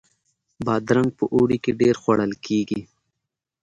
بادرنګ په اوړي کې ډیر خوړل کیږي